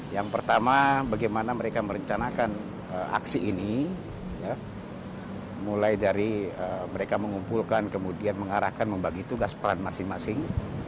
yang pertama bagaimana mereka merencanakan aksi ini mulai dari mereka mengumpulkan kemudian mengarahkan membagi tugas peran masing masing